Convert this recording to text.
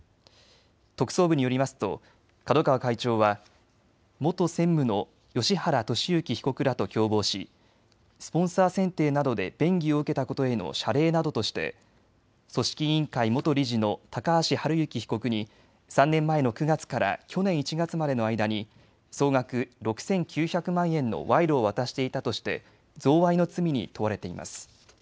特捜部によりますと角川会長は元専務の芳原世幸被告らと共謀しスポンサー選定などで便宜を受けたことへの謝礼などとして組織委員会元理事の高橋治之被告に３年前の９月から去年１月までの間に総額６９００万円の賄賂を渡していたとして贈賄の罪に問われています。